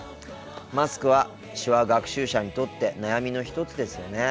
マスクは手話学習者にとって悩みの一つですよね。